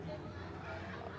dalam suatu cara